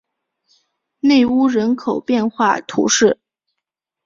内乌人口变化图示